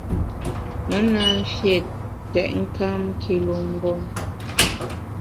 Me na mfiét tètnkam kilu mgbom.